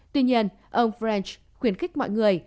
tuy nhiên ông french khuyến khích mọi người